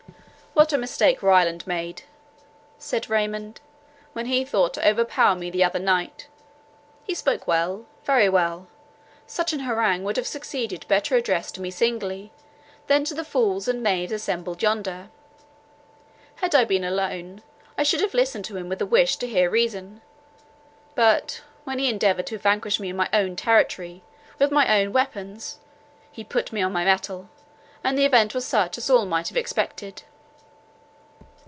"What a mistake Ryland made," said Raymond, "when he thought to overpower me the other night. He spoke well, very well; such an harangue would have succeeded better addressed to me singly, than to the fools and knaves assembled yonder. Had I been alone, I should have listened to him with a wish to hear reason, but when he endeavoured to vanquish me in my own territory, with my own weapons, he put me on my mettle, and the event was such as all might have expected."